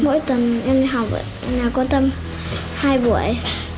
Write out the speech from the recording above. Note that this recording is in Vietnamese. mỗi tuần em đi học ở nhà cô tâm hai buổi